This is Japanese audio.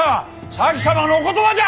前様のお言葉じゃ！